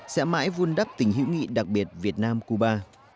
sẽ mãi vun đắp tình hữu nghị đặc biệt việt nam cuba